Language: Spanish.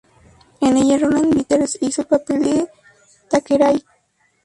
En ella Roland Barthes hizo el papel de Thackeray.